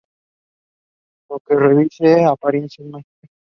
Lo que reviste apariencias mágicas.